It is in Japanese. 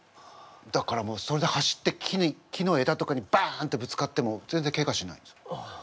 だからもうそれで走って木に木のえだとかにバンってぶつかっても全然ケガしないんですよ。